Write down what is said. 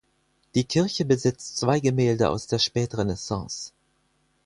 Die Kirche besitzt zwei Gemälde aus der Spätrenaissance.